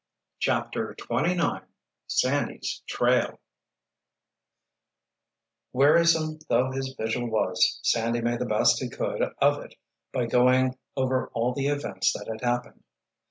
CHAPTER XXIX SANDY'S TRAIL Wearisome though his vigil was, Sandy made the best he could of it by going over all the events that had happened.